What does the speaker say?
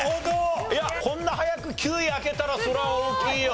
いやこんな早く９位開けたらそれは大きいよ。